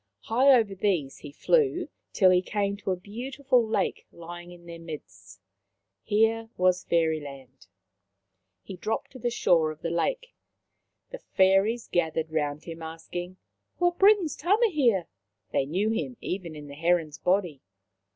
High over these he flew till he came to a beautiful lake lying in their midst. Here was Fairyland. He dropped to the shore of the lake. The 202 Maoriland Fairy Tales Fairies gathered round him, asking :" What brings Tama here ?" They knew him, even in the heron's body.